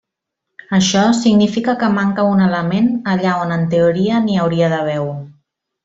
Això significa que manca un element allà on en teoria n'hi hauria d'haver un.